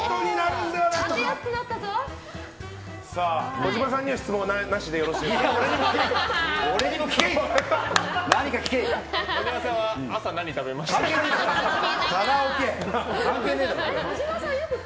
児嶋さんには質問はなしでよろしいでしょうか。